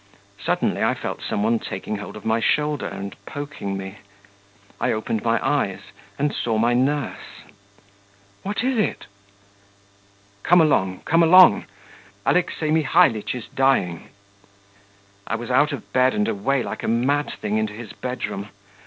Suddenly I felt some one taking hold of my shoulder and poking me. I opened my eyes and saw my nurse. 'What is it?' 'Come along, come along, Alexey Mihalitch is dying.' ... I was out of bed and away like a mad thing into his bedroom.